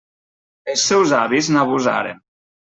Els seus avis n'abusaren.